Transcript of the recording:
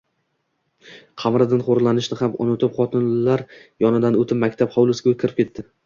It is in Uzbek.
Qamariddin xo‘shlashishni ham unutib xotinlar yonidan o‘tib maktab hovlisiga kirib ketdi